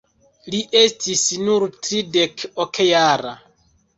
Li estis nur tridek-ok jara.